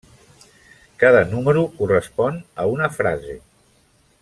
Cada número correspon a una frase.